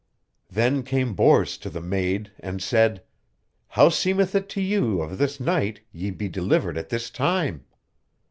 Then came Bors to the maid and said: How seemeth it to you of this knight ye be delivered at this time?